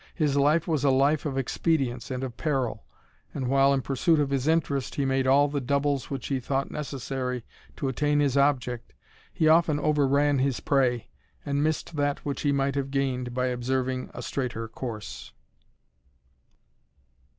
His life was a life of expedients and of peril; and while, in pursuit of his interest, he made all the doubles which he thought necessary to attain his object, he often overran his prey, and missed that which he might have gained by observing a straighter course.